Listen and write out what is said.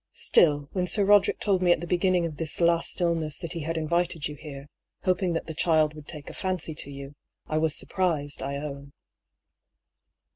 Still, when Sir Roderick told me at the begin ning of this last illness that he had invited you here, hoping that the child would take a fancy to you, I was surprised, I own."